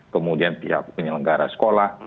kemudian pihak penyelenggara sekolah